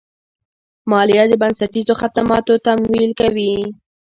مالیه د بنسټیزو خدماتو تمویل کوي.